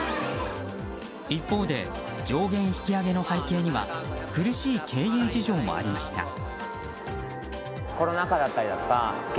一方で、上限引き上げの背景には苦しい経営事情もありました。